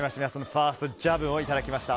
ファーストジャブいただきました。